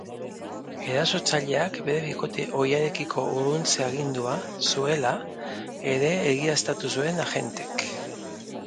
Erasotzaileak bere bikote ohiarekiko urruntze agindua zuela ere egiaztatu zuen agentek.